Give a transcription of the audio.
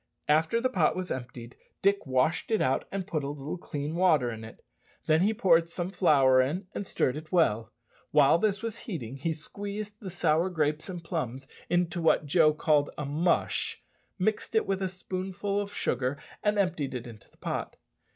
After the pot was emptied, Dick washed it out, and put a little clean water in it. Then he poured some flour in, and stirred it well. While this was heating, he squeezed the sour grapes and plums into what Joe called a "mush," mixed it with a spoonful of sugar, and emptied it into the pot.